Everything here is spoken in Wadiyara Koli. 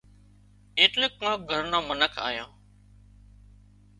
ايٽليڪ ڪانڪ گھر نان منک آيان